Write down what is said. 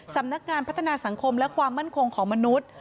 สำนักงานพัฒนาสังคมและความมั่นคงของมนุษย์